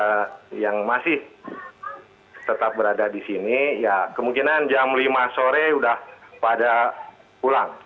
ada yang masih tetap berada di sini ya kemungkinan jam lima sore sudah pada pulang